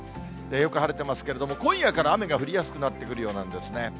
よく晴れてますけれども、今夜から雨が降りやすくなってくるようなんですね。